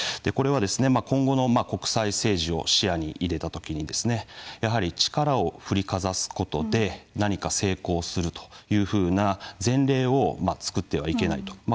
これはですね今後の国際政治を視野に入れたときにやはり力を振りかざすことで何か成功するというふうな前例を作ってはいけないと。